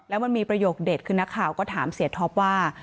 แล้วมันมีประโยคเด็ดคือนักข่าวก็ถามเสียท็อปว่า